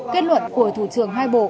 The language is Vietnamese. kết luận của thủ trưởng hai bộ